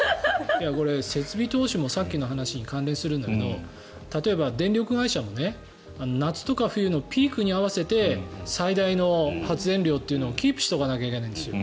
これ設備投資もさっきの話に関連するんだけど例えば、電力会社も夏とか冬のピークに合わせて最大の発電量をキープしとかなきゃいけないんですよ。